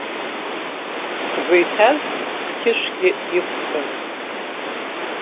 Сгәы иҭаз сқьышәгьы иқәкын.